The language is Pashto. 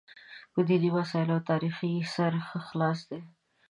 په دیني مسایلو او تاریخ یې سر ښه خلاص دی.